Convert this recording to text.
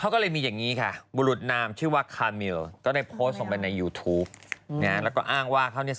เออไมเกรนใช่ไหมประมาณอย่างงั้น